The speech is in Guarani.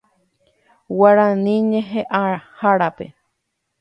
Guarani ñe'ẽhárape.